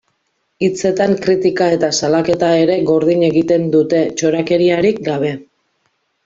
Hitzetan, kritika eta salaketa ere gordin egiten dute, txorakeriarik gabe.